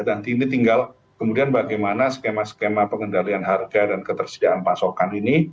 jadi tinggal kemudian bagaimana skema skema pengendalian harga dan ketersediaan pasokan ini